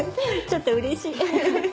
ちょっとうれしい。